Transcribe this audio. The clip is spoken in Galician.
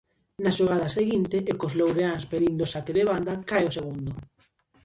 Na xogada seguinte, e cos loureáns pedindo saque de banda, cae o segundo.